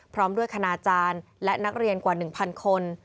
พร้อมด้วยคณาจารย์และนักเรียนกว่า๑๐๐คน